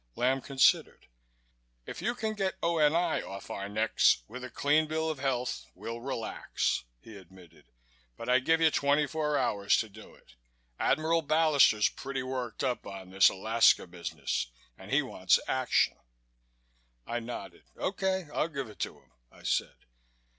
Lamb considered. "If you can get O.N.I, off our necks, with a clean bill of health, we'll relax," he admitted. "But I give you twenty four hours to do it. Admiral Ballister's pretty worked up on this Alaska business, and he wants action." I nodded. "Okay, I'll give it to him," I said.